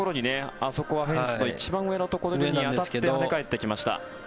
あそこはフェンスの一番上のところに当たって跳ね返ってきました。